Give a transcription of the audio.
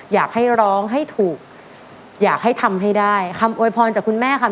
อยากให้ร้องให้ถูกอยากให้ทำให้ได้คำโวยพรจากคุณแม่ค่ะ